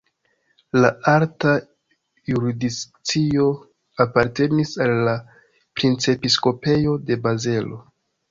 La alta jurisdikcio apartenis al la Princepiskopejo de Bazelo.